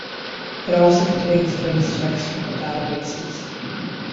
It also contains links to external databases.